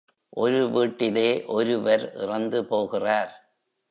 ஒரு வீட்டிலே ஒருவர் இறந்து போகிறார்.